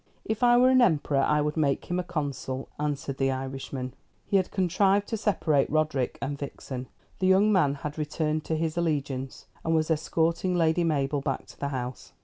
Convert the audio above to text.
"If I were an emperor I would make him a consul," answered the Irishman. He had contrived to separate Roderick and Vixen. The young man had returned to his allegiance, and was escorting Lady Mabel back to the house.